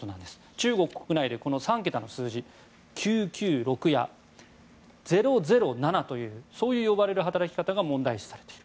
中国国内でこの３桁の数字９９６や００７というそう呼ばれる働き方が問題視されている。